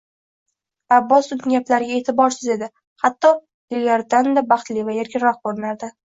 Abbos uning gaplariga e`tiborsiz edi, hatto ilgaridagidan-da baxtli va erkinroq ko`rinardi